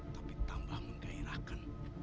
tapi tambah menggerakkan